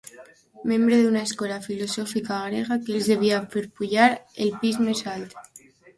Membre d'una escola filosòfica grega que els devia fer pujar al pis més alt.